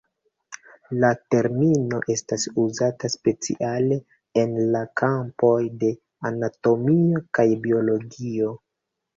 La termino estas uzata speciale en la kampoj de anatomio kaj biologio.